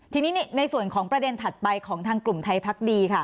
ทีนี้ในส่วนของประเด็นถัดไปของทางกลุ่มไทยพักดีค่ะ